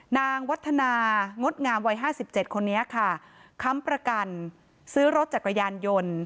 นางวัฒนางดงามวัย๕๗คนนี้ค่ะค้ำประกันซื้อรถจักรยานยนต์